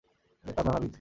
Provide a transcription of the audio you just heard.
এদের কাজ নানাবিধ।